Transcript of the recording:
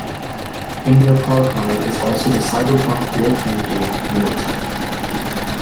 In their product line is also the cyberpunk role-playing game "Neotech".